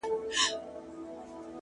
رب دي سپوږمۍ كه چي رڼا دي ووينمه ـ